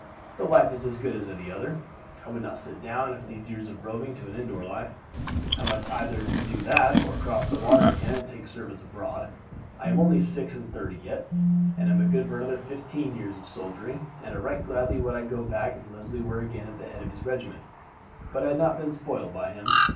The life is as good as any other. I would not sit down, after these years of roving, to an indoor life. I must either do that or cross the water again and take service abroad. I am only six and thirty yet, and am good for another fifteen years of soldiering, and right gladly would I go back if Leslie were again at the head of his regiment, but I have been spoiled by him.